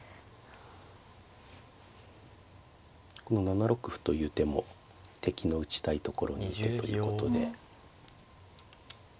この７六歩という手も「敵の打ちたいところに打て」ということで。